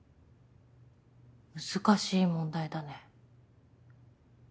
難しい問題だね。